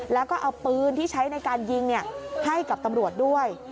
แล้วก็เอาปืนที่ใช้ในการยิงให้กับตำรวจด้วย